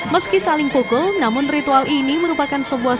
meski saling pukul namun ritual ini merupakan sebuah